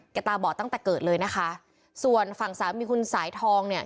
ตาบอดตั้งแต่เกิดเลยนะคะส่วนฝั่งสามีคุณสายทองเนี่ย